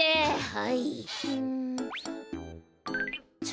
はい？